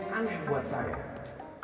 tapi yang aneh buat saya